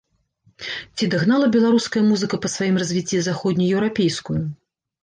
Ці дагнала беларуская музыка па сваім развіцці заходнееўрапейскую?